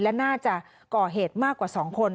และน่าจะก่อเหตุมากกว่า๒คน